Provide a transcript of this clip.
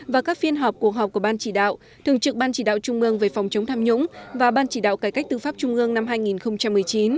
và các phiên họp cuộc họp của ban chỉ đạo thường trực ban chỉ đạo trung ương về phòng chống tham nhũng và ban chỉ đạo cải cách tư pháp trung ương năm hai nghìn một mươi chín